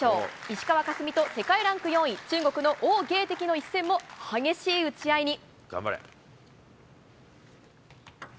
石川佳純と世界ランク４位、中国の王芸迪の一戦も激しい打ち合いに。